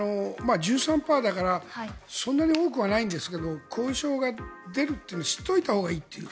１３％だからそんなに多くはないんですけど後遺症が出るというのを知っておいたほうがいいという。